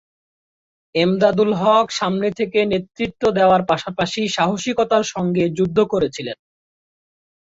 ইমদাদুল হক সামনে থেকে নেতৃত্ব দেওয়ার পাশাপাশি সাহসিকতার সঙ্গে যুদ্ধ করছিলেন।